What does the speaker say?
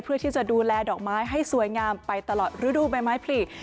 เพื่อที่จะดูแลดอกไม้ให้สวยงามไปตลอดฤดูใบไม้ผลี